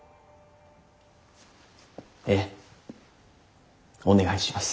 ええお願いします。